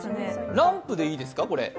ランプでいいですか、これ。